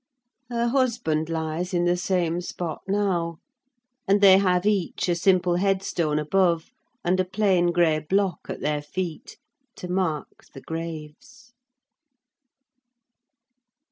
Her husband lies in the same spot now; and they have each a simple headstone above, and a plain grey block at their feet, to mark the graves.